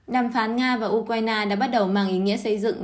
đàm phán nga và ukraine đã bắt đầu mang ý nghĩa xây dựng